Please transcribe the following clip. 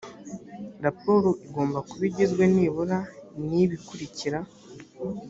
raporo igomba kuba igizwe nibura n’ibikurikira